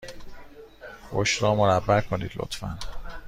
پشت را مربع کنید، لطفا.